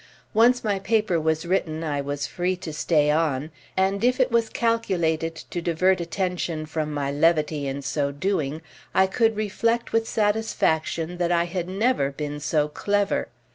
Once my paper was written I was free to stay on, and if it was calculated to divert attention from my levity in so doing I could reflect with satisfaction that I had never been so clever.